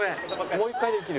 もう一回できる？